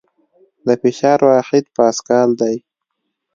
د فشار واحد پاسکل دی.